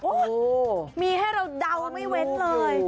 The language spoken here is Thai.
โอ้โหมีให้เราเดาไม่เว้นเลย